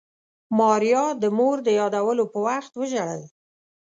ماريا د مور د يادولو په وخت وژړل.